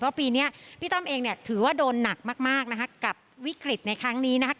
เพราะปีนี้พี่ต้อมเองถือว่าโดนหนักมากกับวิกฤตในครั้งนี้นะครับ